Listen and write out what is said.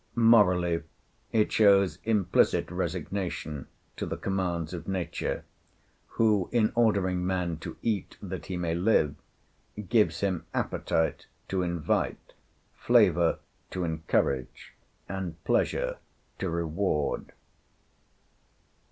Morally, it shows implicit resignation to the commands of Nature, who, in ordering man to eat that he may live, gives him appetite to invite, flavor to encourage, and pleasure to reward.